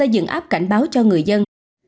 đáp cảnh báo cho người dân